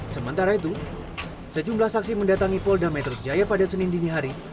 sementara itu sejumlah saksi mendatangi polda metro jaya pada senin dini hari